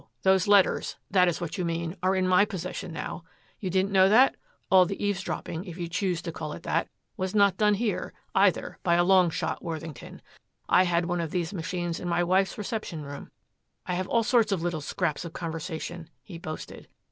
Those letters that is what you mean are in my possession now. You didn't know that? All the eavesdropping, if you choose to call it that, was not done here, either, by a long shot, Worthington. I had one of these machines in my wife's reception room. I have all sorts of little scraps of conversation," he boasted.